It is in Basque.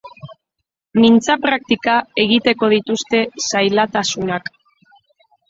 Mintzapraktika egiteko dituzte zailatasunak.